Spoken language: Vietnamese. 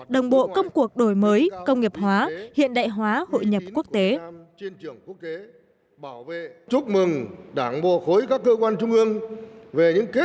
đồng bộ công cuộc đổi mới công nghiệp hóa hiện đại hóa hội nhập quốc tế